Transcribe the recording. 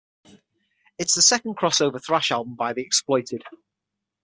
It's the second crossover thrash album by The Exploited.